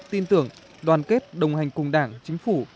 tin tưởng đoàn kết đồng hành cùng đảng chính phủ